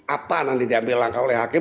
apa nanti diambil langkah oleh hakim